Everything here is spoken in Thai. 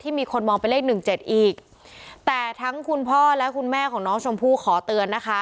มีคนมองเป็นเลขหนึ่งเจ็ดอีกแต่ทั้งคุณพ่อและคุณแม่ของน้องชมพู่ขอเตือนนะคะ